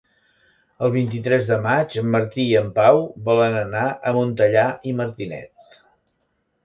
El vint-i-tres de maig en Martí i en Pau volen anar a Montellà i Martinet.